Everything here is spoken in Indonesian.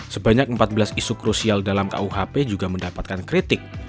sebanyak empat belas isu krusial dalam kuhp juga mendapatkan kritik